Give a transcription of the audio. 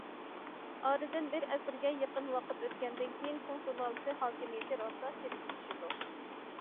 ئارىدىن بىر ئەسىرگە يېقىن ۋاقىت ئۆتكەندىن كېيىن، چىڭ سۇلالىسى ھاكىمىيىتى راسا چىرىكلىشىدۇ.